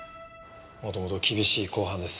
元々厳しい公判です。